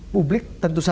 publik tentu saja